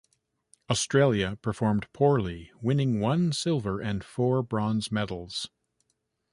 Australia performed poorly, winning one silver and four bronze medals.